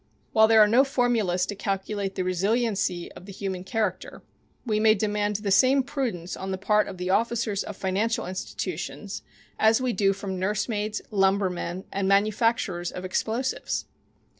While there are no formulas to calculate the resiliency of human character, we may demand the same prudence on the part of the officers of financial institutions as we do from nursemaids, lumbermen and manufacturers of explosives.